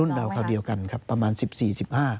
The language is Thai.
เราคราวเดียวกันครับประมาณสิบสี่สิบห้า